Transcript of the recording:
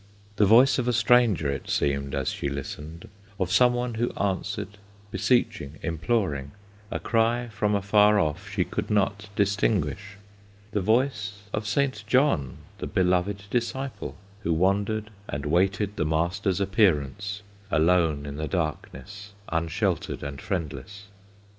The voice of a stranger It seemed as she listened, Of some one who answered, Beseeching, imploring, A cry from afar off She could not distinguish. The voice of Saint John, The beloved disciple, Who wandered and waited The Master's appearance, Alone in the darkness, Unsheltered and friendless.